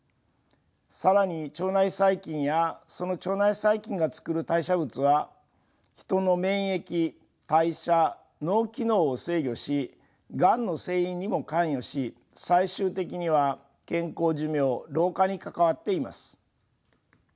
更に腸内細菌やその腸内細菌が作る代謝物はヒトの免疫代謝脳機能を制御しがんの成因にも関与し最終的には健康寿命老化に関わっています。